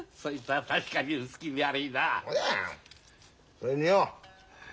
それによ